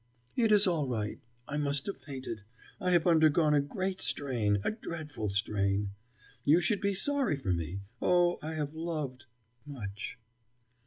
"It is all right.... I must have fainted. I have undergone a great strain, a dreadful strain. You should be sorry for me. Oh, I have loved much."